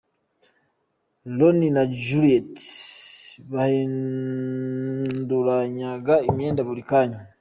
Ronnie na Juliet bahinduranyaga imyenda buri kanya.